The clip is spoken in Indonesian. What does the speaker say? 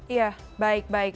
iya baik baik baik